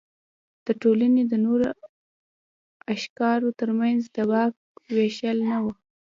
د ټولنې د نورو اقشارو ترمنځ د واک وېشل نه و.